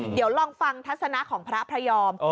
เดี๋ยวลองฟังทัศนะของพระพระยอม